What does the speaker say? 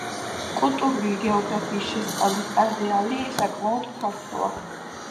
კულტურული გეოგრაფიის შესწავლის არეალი საკმაოდ ფართოა.